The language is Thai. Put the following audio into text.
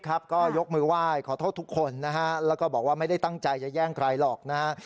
ก็ยกมือไหว้ขอโทษทุกคนนะฮะแล้วก็บอกว่าไม่ได้ตั้งใจจะแย่งใครหรอกนะฮะ